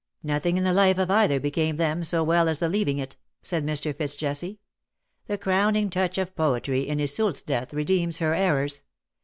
'^ Nothing in the life of either became them so well as the leaving it/^ said Mr. Fitz Jessie. ^' The crowning touch of poetry in Iseult^s death redeems her errors.